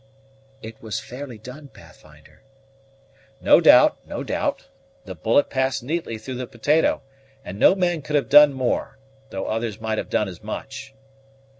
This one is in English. "It was fairly done, Pathfinder." "No doubt, no doubt. The bullet passed neatly through the potato, and no man could have done more; though others might have done as much."